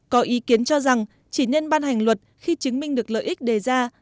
có ý kiến cho rằng chỉ nên ban hành luật khi chứng minh được lợi ích đề ra